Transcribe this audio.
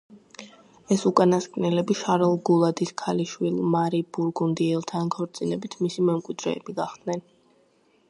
ეს უკანასკნელები შარლ გულადის ქალიშვილ მარი ბურგუნდიელთან ქორწინებით მისი მემკვიდრეები გახდნენ.